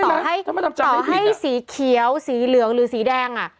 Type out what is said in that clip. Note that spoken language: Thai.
ให้สีเขียวสีเหลืองหรือสีแดงอ่ะ